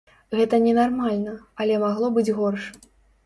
Гэта ненармальна, але магло быць горш.